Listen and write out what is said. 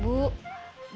muka dia senang sekali